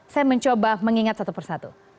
saya mencoba mengingat satu persatu